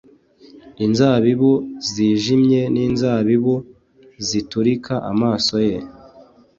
Inzabibu zijimye zinzabibu ziturika amaso ye